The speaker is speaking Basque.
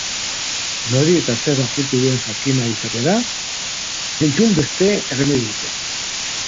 Nori eta zer lapurtu duen jakin nahi izatera, entzun beste erremediorik ez!